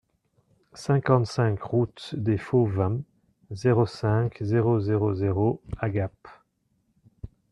cinquante-cinq route des Fauvins, zéro cinq, zéro zéro zéro à Gap